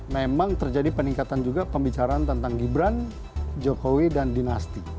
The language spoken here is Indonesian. memang terjadi peningkatan juga pembicaraan tentang gibran jokowi dan dinasti